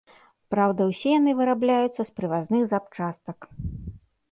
Праўда, усе яны вырабляюцца з прывазных запчастак.